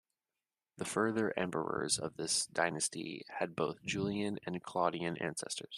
The further emperors of this dynasty had both Julian and Claudian ancestors.